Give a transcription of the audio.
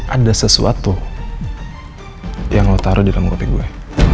ada sesuatu yang lo taruh di dalam kopi gue